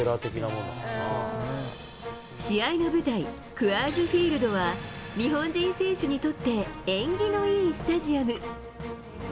試合の舞台、クアーズフィールドは、日本人選手にとって、縁起のいいスタジアム。